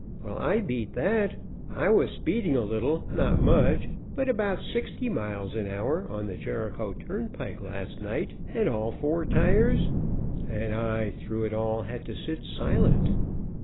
Well, I beat that. I was speeding a little not much, but about sixty miles an hour on the Jericho Turnpike last night, and all four tires " And through it all I had to sit silent.